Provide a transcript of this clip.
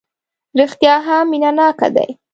رېښتیا هم مینه ناک دی.